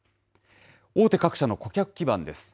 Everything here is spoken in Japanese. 大手各社の顧客基盤です。